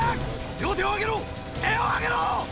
両手を上げろ手を上げろ！